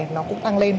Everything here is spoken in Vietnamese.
nó cũng tăng lên